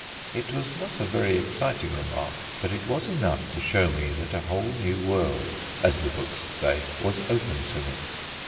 It was not a very exciting remark, but it was enough to show me that a whole new world (as the books say) was open to me.